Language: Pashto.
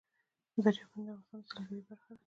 دریابونه د افغانستان د سیلګرۍ برخه ده.